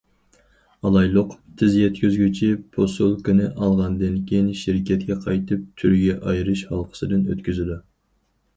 ئالايلۇق، تېز يەتكۈزگۈچى پوسۇلكىنى ئالغاندىن كېيىن، شىركەتكە قايتىپ تۈرگە ئايرىش ھالقىسىدىن ئۆتكۈزىدۇ.